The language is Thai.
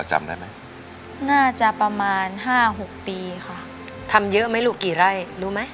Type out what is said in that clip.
จำได้ไหมน่าจะประมาณห้าหกปีค่ะทำเยอะไหมลูกกี่ไร่รู้ไหม